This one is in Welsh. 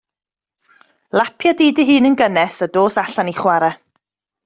Lapia di dy hun yn gynnes a dos allan i chwarae.